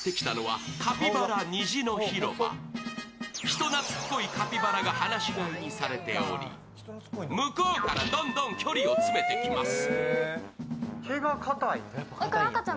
人懐こいカピバラが放し飼いにされており、向こうからどんどん距離を詰めてきます。